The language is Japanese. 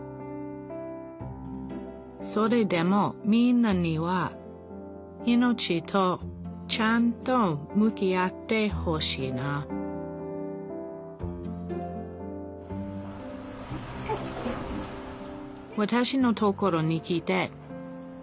それでもみんなには命とちゃんと向き合ってほしいなわたしのところに来て１３日目のコウです